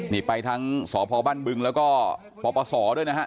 นี่ไปทั้งสพบ้านบึงแล้วก็ปปศด้วยนะฮะ